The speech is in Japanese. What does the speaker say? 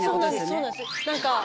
はいそうなんです。